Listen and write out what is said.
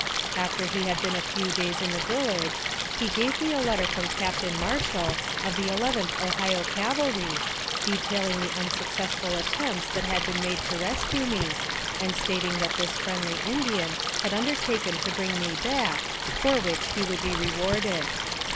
After he had been a few days in the village, he gave me a letter from Captain Marshall, of the Elev enth Ohio Cavalry, detailing the unsuccessful attempts that had been made to rescue me, and stating that this friendly Indian had undertaken to bring me back, for which he would be rewarded.